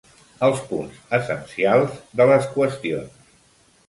Els punts essencials de les qüestions.